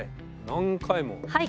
何回も。